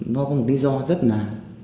nó có một lý do rất là